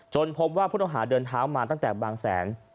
พบว่าผู้ต้องหาเดินเท้ามาตั้งแต่บางแสน